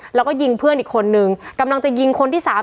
แล้วก็ยิงเพื่อนอีกคนนึงกำลังจะยิงคนที่สาม